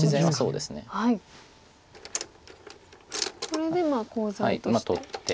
これでコウ材として。